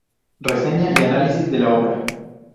Reseña y análisis de la obra.